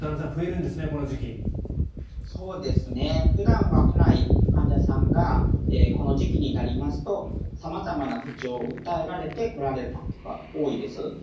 普段は来ない患者さんがこの時期になりますと様々な不調を訴えられて来られることが多いです。